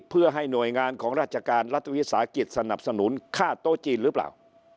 เพื่อให้หน่วยงานของราชการรัฐวิสาหกิจสนับสนุนฆ่าโต๊ะจีนหรือเปล่า